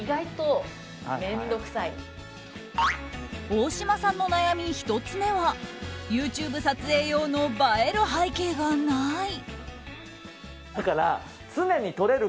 大島さんの悩み、１つ目はＹｏｕＴｕｂｅ撮影用の映える背景がない。